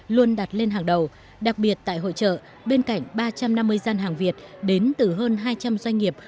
luôn đặt lên hàng đầu đặc biệt tại hội trợ bên cạnh ba trăm năm mươi gian hàng việt đến từ hơn hai trăm linh doanh nghiệp